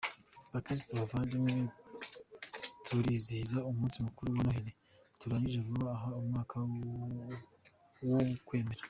Bakristu bavandimwe, turizihiza umunsi mukuru wa Noheli, turangije vuba aha Umwaka w’Ukwemera.